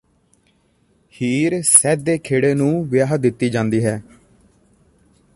ਹੀਰ ਸੈਦੇ ਖੇੜੇ ਨੂੰ ਵਿਆਹ ਦਿੱਤੀ ਜਾਂਦੀ ਹੈ